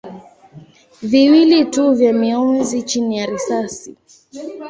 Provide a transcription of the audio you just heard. viwili tu vya mionzi chini ya risasi.